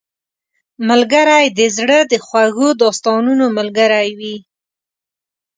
ملګری د زړه د خوږو داستانونو ملګری وي